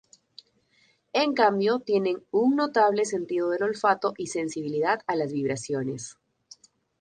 En cambio tienen un notable sentido del olfato y sensibilidad a las vibraciones.